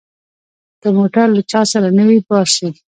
که موټر له چا سره وي بار شي.